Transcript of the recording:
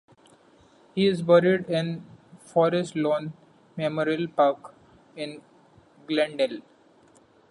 He is buried in Forest Lawn Memorial Park in Glendale.